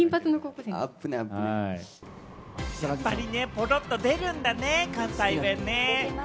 ポロっと出るんだねえ、関西弁ね。